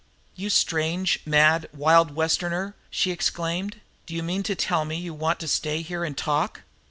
"You strange, mad, wild Westerner!" she exclaimed. "Do you mean to tell me you want to stay here and talk?